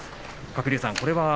鶴竜さん